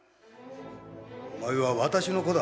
お前は私の子だ。